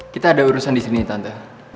kita ada urusan disini tante